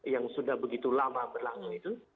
yang sudah begitu lama berlangsung itu